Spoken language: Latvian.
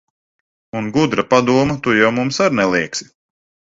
Un gudra padoma tu jau mums ar neliegsi.